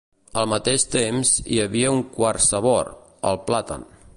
Al mateix temps, hi havia un quart sabor, el plàtan.